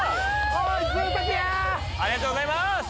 ありがとうございます！